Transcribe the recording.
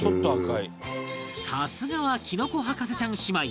さすがはきのこ博士ちゃん姉妹